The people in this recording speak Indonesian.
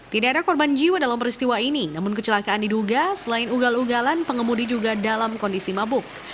tidak ada korban jiwa dalam peristiwa ini namun kecelakaan diduga selain ugal ugalan pengemudi juga dalam kondisi mabuk